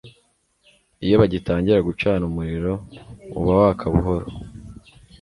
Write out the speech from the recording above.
iyo bagitangira gucana umuriro, uba waka buhoro